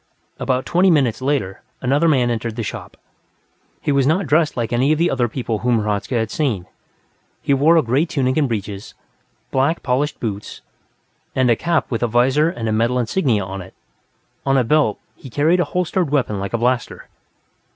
About twenty minutes later, another man entered the shop. He was not dressed like any of the other people whom Hradzka had seen; he wore a gray tunic and breeches, polished black boots, and a cap with a visor and a metal insignia on it; on a belt, he carried a holstered weapon like a blaster.